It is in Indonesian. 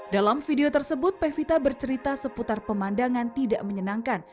dalam video tersebut pevita bercerita seputar pemandangan tidak menyenangkan